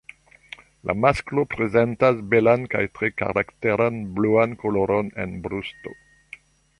La masklo prezentas belan kaj tre karakteran bluan koloron en brusto.